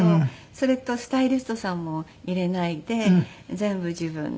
それとスタイリストさんも入れないで全部自分で。